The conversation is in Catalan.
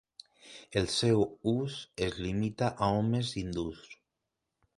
El seu ús es limita a homes hindús.